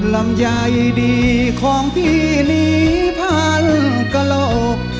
ลำไยดีของพี่นี้พันกระโหลก